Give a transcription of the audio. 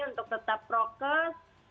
untuk tetap prokes